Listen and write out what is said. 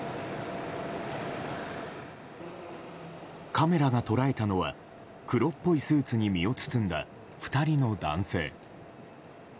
カメラが捉えたのは黒っぽいスーツに身を包んだ２人の男性。